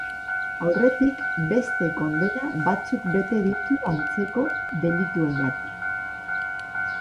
Aurretik, beste kondena batzuk bete ditu antzeko delituengatik.